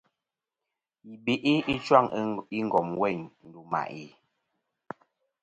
Yi be'i ɨchwaŋ i ngom weyn ndu mà'i.